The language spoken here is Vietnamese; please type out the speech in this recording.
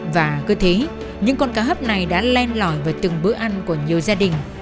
và cứ thế những con cá hấp này đã len lỏi vào từng bữa ăn của nhiều gia đình